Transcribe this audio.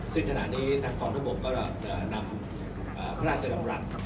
ซึ่งขณะนี้ทางกองทัพบกก็นำพระราชดำรัฐ